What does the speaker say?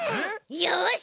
よし！